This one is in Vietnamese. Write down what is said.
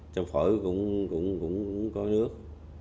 trong phổi cũng có nước